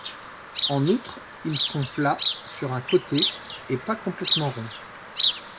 En outre, ils sont plat sur un côté et pas complètement ronds.